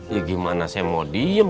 ya gimana saya mau diem